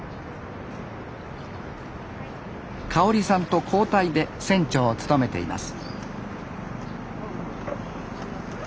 かおりさんと交代で船長を務めています